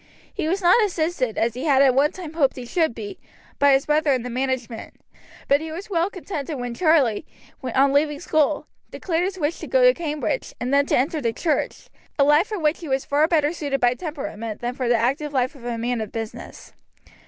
He was not assisted, as he had at one time hoped he should be, by his brother in the management; but he was well contented when Charlie, on leaving school, declared his wish to go to Cambridge, and then to enter the church, a life for which he was far better suited by temperament than for the active life of a man of business.